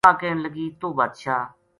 واہ کہن لگی توہ بادشاہ